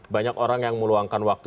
banyak orang yang meluangkan waktu